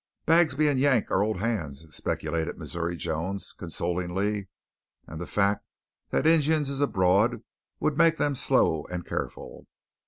"Bagsby and Yank are old hands," speculated Missouri Jones consolingly. "And the fact that Injuns is abroad would make them slow and careful."